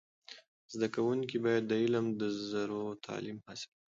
زده کوونکي باید د علم د زرو تعلیم حاصل کړي.